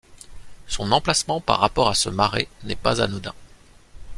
Son emplacement par rapport à ce marais n'est pas anodin.